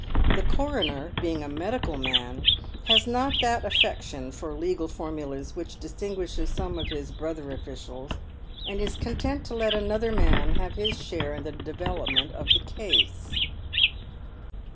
The coroner, being a medical man, has not that affection for legal formulas which distinguishes some of his brotit sr oliicials, and is content to let another man have his share in tbe development of the case.